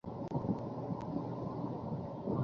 আমি একটি বার্তা দিতে চাই।